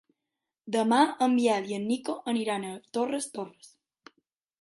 Demà en Biel i en Nico aniran a Torres Torres.